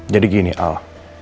jadi gini al